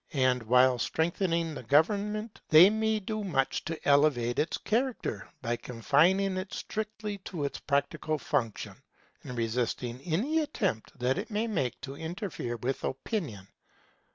And while strengthening the government they may do much to elevate its character; by confining it strictly to its practical function, and resisting any attempts that it may make to interfere with opinion.